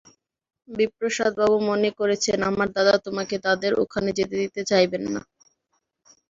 বিপ্রদাসবাবু মনে করেছেন আমার দাদা তোমাকে তাঁদের ওখানে যেতে দিতে চাইবেন না।